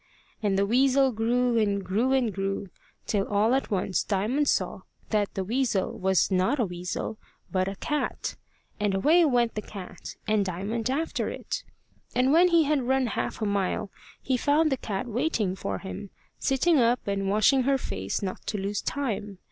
And the weasel grew, and grew, and grew, till all at once Diamond saw that the weasel was not a weasel but a cat. And away went the cat, and Diamond after it. And when he had run half a mile, he found the cat waiting for him, sitting up and washing her face not to lose time.